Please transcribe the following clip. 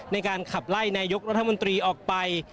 ในการขับไล่นายกรัฐมนตรีออกไป